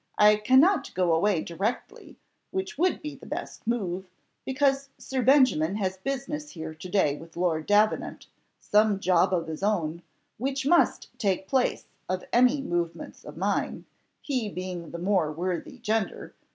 I cannot go away directly, which would be the best move, because Sir Benjamin has business here to day with Lord Davenant some job of his own, which must take place of any movements of mine, he being the more worthy gender..